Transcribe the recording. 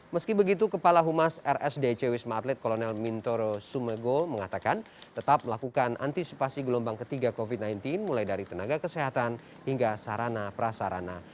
meski begitu kepala humas rsdc wisma atlet kolonel mintoro sumego mengatakan tetap melakukan antisipasi gelombang ketiga covid sembilan belas mulai dari tenaga kesehatan hingga sarana prasarana